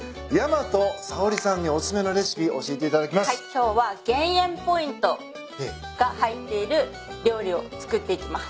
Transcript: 今日は減塩ポイントが入っている料理を作っていきます。